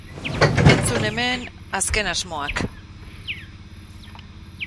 Entzun hemen azken asmoak.